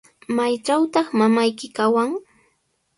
¿Maytrawtaq mamayki kawan?